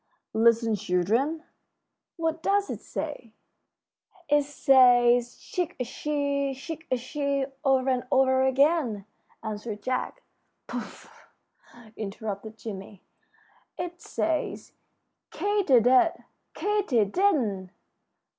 "Listen, children, what does it say?" "It says, 'Chic a chee, chic a chee,' over and over again," answered Jack. "Pooh," interrupted Jimmie, "it says, 'Katy did, Katy didn't!'"